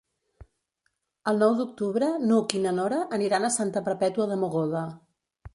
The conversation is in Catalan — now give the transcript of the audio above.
El nou d'octubre n'Hug i na Nora aniran a Santa Perpètua de Mogoda.